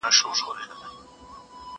هغه څوک چي بازار ته ځي سودا کوي!.